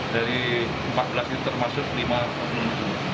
dari empat belas ini termasuk lima obnum